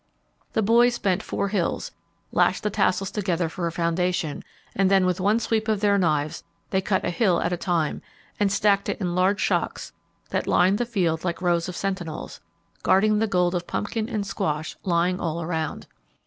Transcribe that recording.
The boys bent four hills, lashed the tassels together for a foundation, and then with one sweep of their knives, they cut a hill at a time, and stacked it in large shocks, that lined the field like rows of sentinels, guarding the gold of pumpkin and squash lying all around.